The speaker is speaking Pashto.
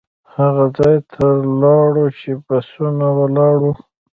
هغه ځای ته لاړو چې بسونه ولاړ وو.